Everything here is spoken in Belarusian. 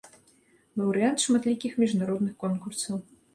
Лаўрэат шматлікіх міжнародных конкурсаў.